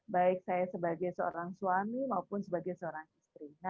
baik saya sebagai seorang suami maupun sebagai seorang istrinya